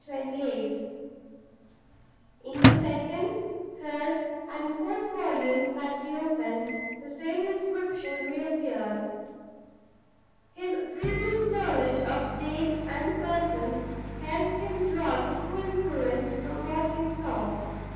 In the second, third, and fourth volumes that he opened, the same inscription re appeared. His previous knowledge of dates and persons helped him to draw the true inference from what he saw.